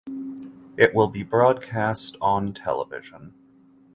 It will be broadcast on television.